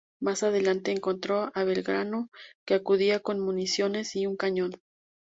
Más adelante, encontró a Belgrano que acudía con municiones y un cañón.